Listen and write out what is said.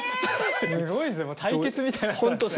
すごいですね対決みたいに。